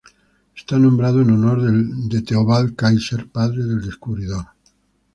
Está nombrado en honor de Theobald Kaiser, padre del descubridor.